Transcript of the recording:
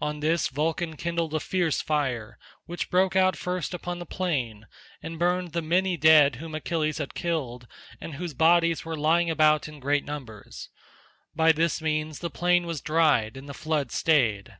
On this Vulcan kindled a fierce fire, which broke out first upon the plain and burned the many dead whom Achilles had killed and whose bodies were lying about in great numbers; by this means the plain was dried and the flood stayed.